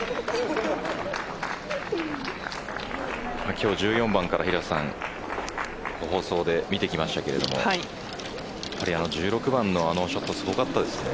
今日１４番から放送で見てきましたけど１６番のあのショットすごかったですね。